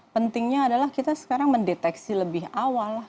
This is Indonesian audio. pentingnya adalah kita sekarang mendeteksi lebih awal